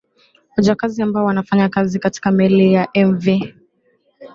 wajakazi ambao wanafanya kazi katika meli ya mv